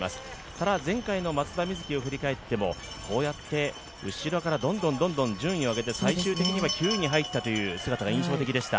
ただ、前回の松田瑞生を振り返っても、後ろからどんどん順位を上げて最終的には９位に入ったという姿が印象的でした。